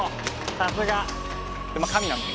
さすが！